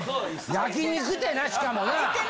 焼肉ってなしかもな。